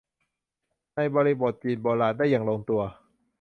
ในบริบทจีนโบราณ ได้อย่างลงตัว